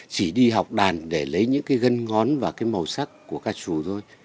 chỉ đi học đàn để lấy những cái gân ngón và cái màu sắc của ca trù thôi